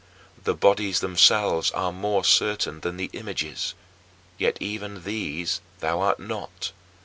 The bodies themselves are more certain than the images, yet even these thou art not.